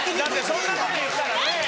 そんなこと言ったらねぇ。